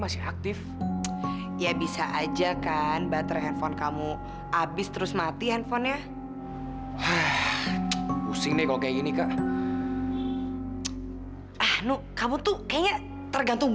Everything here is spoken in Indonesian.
sampai jumpa di video selanjutnya